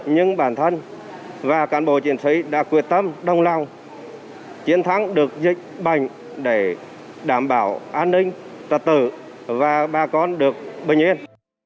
nhưng bản thân và cán bộ chiến sĩ đã quyết tâm đồng lòng chiến thắng được dịch bệnh để đảm bảo an ninh trật tự và bà con được bình yên